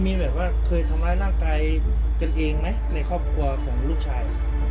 มีแบบว่าเคยทำร้ายร่างกายกันเองไหมในครอบครัวของลูกชาย